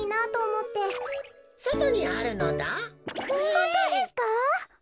ほんとうですか？